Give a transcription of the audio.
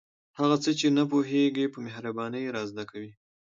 هغه څه چې نه پوهیږو په مهربانۍ را زده کوي.